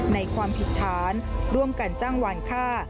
ความผิดฐานร่วมกันจ้างวานค่า